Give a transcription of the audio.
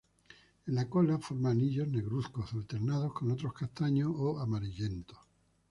En la cola forma anillos negruzcos alternados con otros castaños o amarillentos.